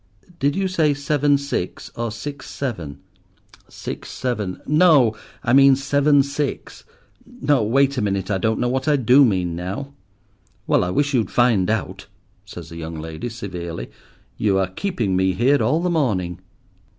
"Did you say seven six or six seven?" "Six seven—no! I mean seven six: no—wait a minute. I don't know what I do mean now." "Well, I wish you'd find out," says the young lady severely. "You are keeping me here all the morning."